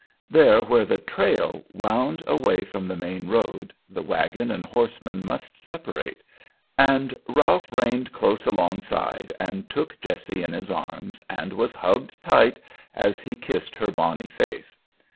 There where the trail wound away from the main road the wagon and horsemen must separate, and Ralph reined close alongside and took Jessie in his arms and was hugged tight as he kissed her bonny face.